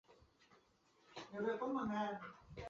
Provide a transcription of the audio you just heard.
出身于富山县。